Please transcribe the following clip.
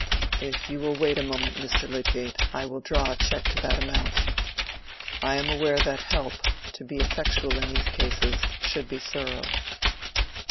"If you will wait a moment, Mr. Lydgate, I will draw a check to that amount. I am aware that help, to be effectual in these cases, should be thorough."